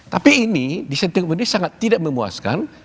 tapi ini dissenting opinion sangat tidak memuaskan